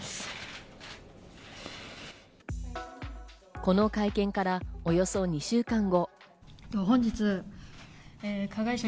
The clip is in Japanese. この会見から、およそ２週間後。